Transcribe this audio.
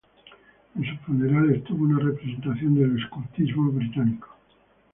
En su funeral estuvo una representación del Escultismo Británico.